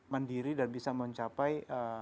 mendiri dan bisa mencapai